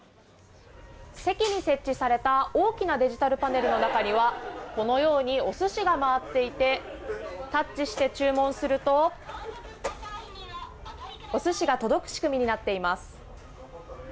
席に設置された大きなデジタルパネルの中にはこのようにお寿司が回っていてタッチして注文すると、お寿司が届く仕組みになっています。